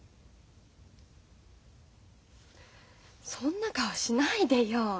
そんな顔しないでよ。